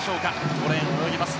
５レーンを泳ぎます